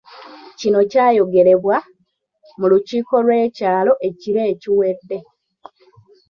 Kino kyayogerebwa mu lukiiko lw'ekyalo ekiro ekiwedde.